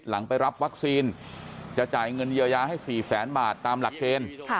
หลังไปรับวัคซีนจะจ่ายเงินเยียวยาให้๔แสนบาทตามหลักเกณฑ์